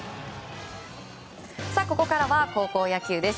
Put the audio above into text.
ここからは高校野球です。